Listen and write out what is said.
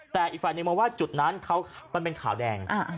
แต่อีกฝ่ายหนึ่งมองว่าจุดนั้นมันเป็นขาวแดง